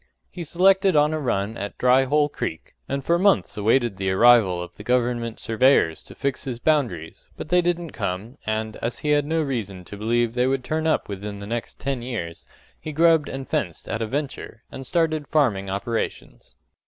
He selected on a run at Dry Hole Creek, and for months awaited the arrival of the government surveyors to fix his boundaries; but they didn't come, and, as he had no reason to believe they would turn up within the next ten years, he grubbed and fenced at a venture, and started farming operations.